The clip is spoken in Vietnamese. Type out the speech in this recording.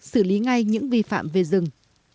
xử lý ngay những vi phạm về rừng